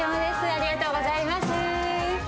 ありがとうございます。